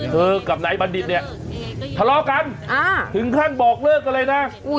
กับนายบัณฑิตเนี่ยทะเลาะกันถึงขั้นบอกเลิกกันเลยนะ